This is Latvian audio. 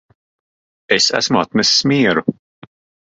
Es esmu atnesis mieru